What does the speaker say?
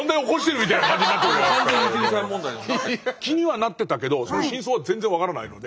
気にはなってたけどその真相は全然分からないので。